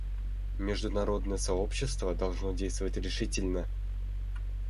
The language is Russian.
Международное сообщество должно действовать решительно.